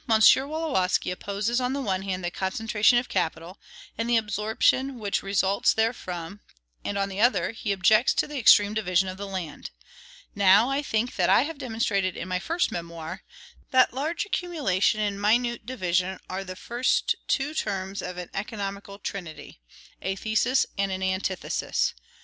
Wolowski opposes, on the one hand, the concentration of capital, and the absorption which results therefrom; and, on the other, he objects to the extreme division of the land. Now I think that I have demonstrated in my First Memoir, that large accumulation and minute division are the first two terms of an economical trinity, a THESIS and an ANTITHESIS.